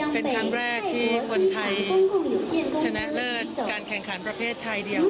เป็นครั้งแรกที่คนไทยชนะเลิศการแข่งขันประเภทชายเดียว